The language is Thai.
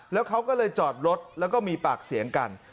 แล้วเขาก็เลยจอดรถแล้วก็มีปากเสียงกัน